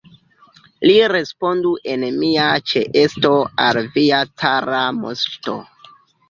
Li respondu en mia ĉeesto al via cara moŝto!